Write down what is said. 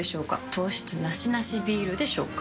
糖質ナシナシビールでしょうか？